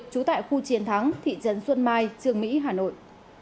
trú tại khu chiến thắng thị trấn xuân mai trường mỹ hà nội